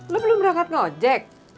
lo belum berangkat ngeojek